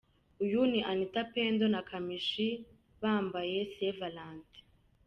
Uyu ni Anitha Pendo na Kamichi bambaye Saint Valentin!.